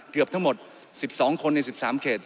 เกือบทั้งหมด๑๒คนใน๑๓เขต